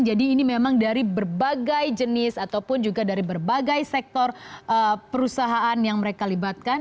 jadi ini memang dari berbagai jenis ataupun juga dari berbagai sektor perusahaan yang mereka libatkan